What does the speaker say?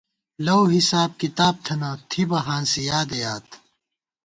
لَؤحساب کتاب تھنہ، تھِبہ ہانسی یادےیاد